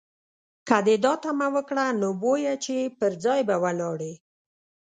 که دې دا تمه وکړه، نو بویه چې پر ځای به ولاړ یې.